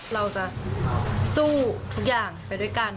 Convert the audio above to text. เราจะสู้ทุกอย่างไปด้วยกัน